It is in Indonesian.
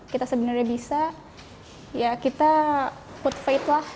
kita sebenarnya bisa ya kita put faith lah